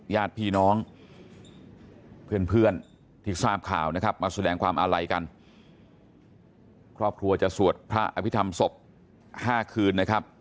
ญาติพี่น้องเพื่อนเพื่อนที่ทราบข่าวนะครับมาแสดงความอาลัยกันครอบครัวจะสวดพระอภิษฐรรมศพ๕คืนนะครับ